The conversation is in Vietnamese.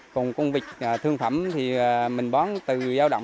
cùng con vịt thương phẩm mình bán ra là từ hai trăm linh hai trăm năm mươi con